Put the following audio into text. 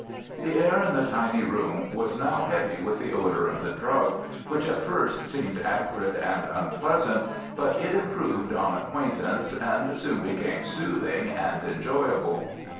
The air in the tiny room was now heavy with the odour of the drug, which at first seemed acrid and unpleasant, but it improved on acquaintance, and soon became soothing and enjoyable.